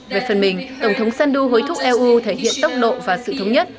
về phần mình tổng thống sandu hối thúc eu thể hiện tốc độ và sự thống nhất